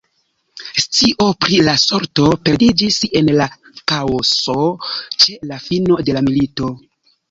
Scio pri la sorto perdiĝis en la kaoso ĉe la fino de la milito.